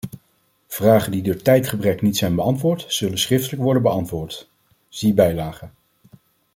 Vragen die door tijdgebrek niet zijn beantwoord, zullen schriftelijk worden beantwoord (zie bijlage).